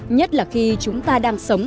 nhất là khi chúng ta đang sống